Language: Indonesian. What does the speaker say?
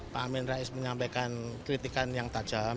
pak amin rais menyampaikan kritikan yang tajam